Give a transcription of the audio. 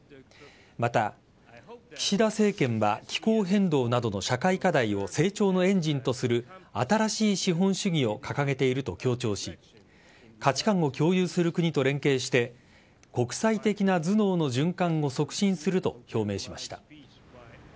また、岸田政権は気候変動などの社会課題を成長のエンジンとする新しい資本主義を掲げていると強調し価値観を共有する国と連携して国際的な頭脳の循環を促進すると表明しました。